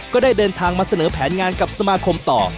ก็ได้เดินทางมาเสนอแผนงานกับสมาคมต่อ